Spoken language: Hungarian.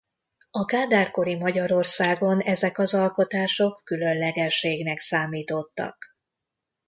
A Kádár-kori Magyarországon ezek az alkotások különlegességnek számítottak.